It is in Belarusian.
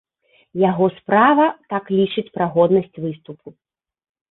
Яго справа так лічыць пра годнасць выступу.